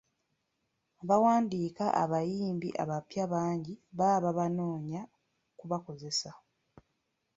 Abawandiika abayimbi abapya bangi baba babanoonya kubakozesa.